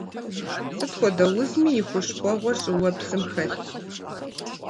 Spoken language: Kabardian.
Сыт хуэдэ узми и хущхуэгъуэр щӏыуэпсым хэлъщ.